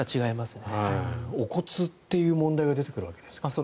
お骨という問題が出てくるわけですからね。